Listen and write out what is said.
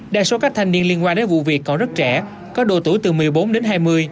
đa số các thanh niên liên quan đến vụ việc còn rất trẻ có độ tuổi từ một mươi bốn đến hai mươi